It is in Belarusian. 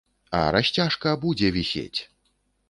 А расцяжка будзе вісець!